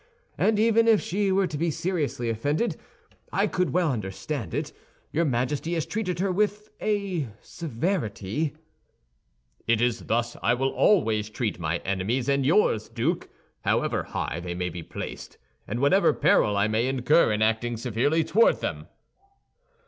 And even if she were to be seriously offended, I could well understand it; your Majesty has treated her with a severity—" "It is thus I will always treat my enemies and yours, Duke, however high they may be placed, and whatever peril I may incur in acting severely toward them."